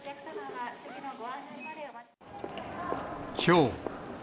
きょう。